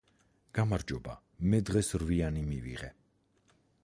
გამარჯობა მე დღეს რვიანი მივიღე